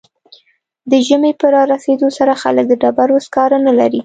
د ژمي په رارسیدو سره خلک د ډبرو سکاره نلري